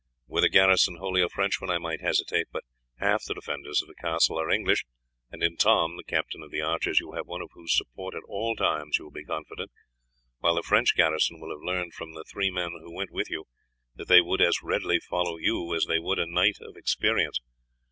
Were the garrison wholly a French one I might hesitate, but half the defenders of the castle are Englishmen; and in Tom, the captain of the archers, you have one of whose support at all times you will be confident, while the French garrison will have learned from the three men who went with you that they would as readily follow you as they would a knight of experience.